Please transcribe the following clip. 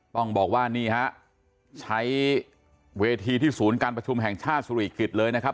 ต้องบอกว่านี่ฮะใช้เวทีที่ศูนย์การประชุมแห่งชาติสุริกิจเลยนะครับ